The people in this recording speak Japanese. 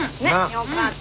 よかった。